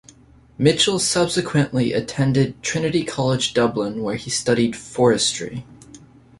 Mitchel subsequently attended Trinity College Dublin where he studied forestry.